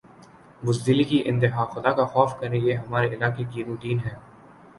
بزدلی کی انتہا خدا کا خوف کریں یہ ہمارے علاقے کی روٹین ھے